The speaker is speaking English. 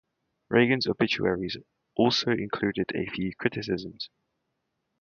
Reagan's obituaries also included a few criticisms.